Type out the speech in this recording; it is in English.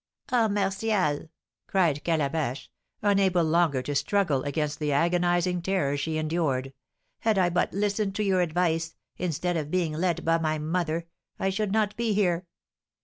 "Ah, Martial," cried Calabash, unable longer to struggle against the agonising terror she endured, "had I but listened to your advice, instead of being led by my mother, I should not be here!"